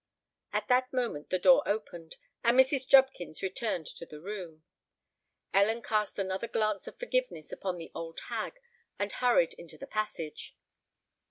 At that moment the door opened, and Mrs. Jubkins returned to the room. Ellen cast another glance of forgiveness upon the hag and hurried into the passage.